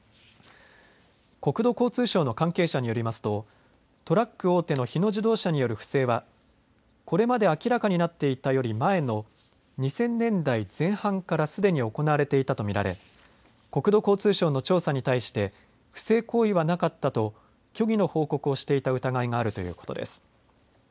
国土交通省の関係者によりますとトラック大手の日野自動車による不正はこれまで明らかになっていたより前の２０００年代前半からすでに行われていたと見られ国土交通省の調査に対して不正行為はなかったと虚偽の報告をしていた疑いがあるということです。